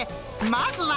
まずは。